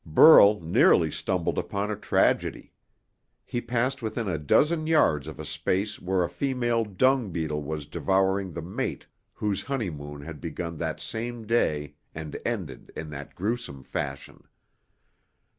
Burl nearly stumbled upon a tragedy. He passed within a dozen yards of a space where a female dung beetle was devouring the mate whose honeymoon had begun that same day and ended in that gruesome fashion.